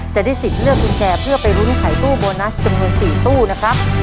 จะได้สิทธิ์เลือกเป็นแชร์เพื่อไปรุ้นขายตู้โบนัสจนเมือง๔ตู้นะครับ